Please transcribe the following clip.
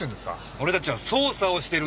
俺たちは捜査をしてるんです。